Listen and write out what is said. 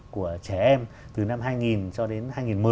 của trẻ em từ năm hai nghìn cho đến hai nghìn một mươi